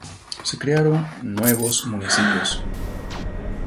Se crearon nuevos municipios.